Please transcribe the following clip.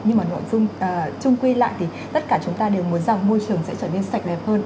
nhưng mà nội dung trung quy lại thì tất cả chúng ta đều muốn rằng môi trường sẽ trở nên sạch đẹp hơn